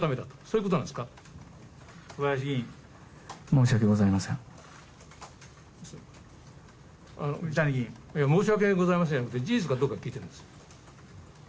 申し訳ございませんじゃなくて事実かどうか聞いているんです。